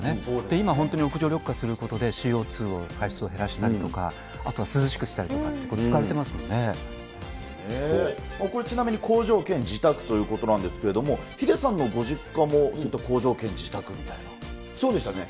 今、本当に屋上を緑化することで、ＣＯ２を排出を減らしたりとか、あとは涼しくしたりとかって、これ、ちなみに工場兼自宅ということなんですけれども、ヒデさんのご実そうでしたね。